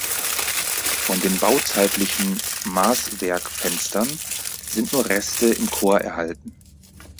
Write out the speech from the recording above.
Von den bauzeitlichen Maßwerkfenstern sind nur Reste im Chor erhalten.